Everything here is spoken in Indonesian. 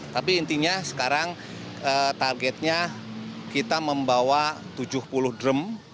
tapi intinya sekarang targetnya kita membawa tujuh puluh drum